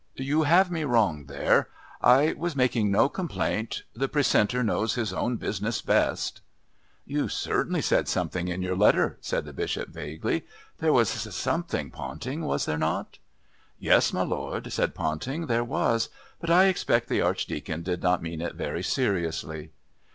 "You have me wrong there. I was making no complaint. The Precentor knows his own business best." "You certainly said something in your letter," said the Bishop vaguely. "There was s something, Ponting, was there not?" "Yes, my lord," said Ponting. "There was. But I expect the Archdeacon did not mean it very seriously."